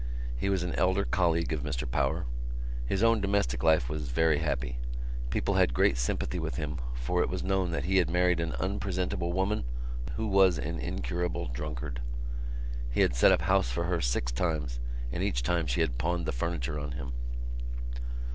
He was an elder colleague of Mr Power. His own domestic life was not very happy. People had great sympathy with him for it was known that he had married an unpresentable woman who was an incurable drunkard. He had set up house for her six times; and each time she had pawned the furniture on him.